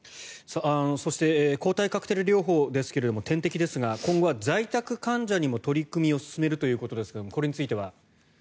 そして抗体カクテル療法ですが点滴ですが今後は在宅患者にも取り組みを進めるということですがこれについては。